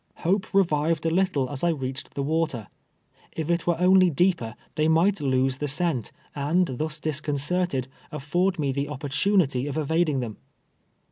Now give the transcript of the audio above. Hope revived a little as I reached the water. If it were only deeper, they might loose the scent, and thus disconcerted, afford me the opportunity of eva ding them.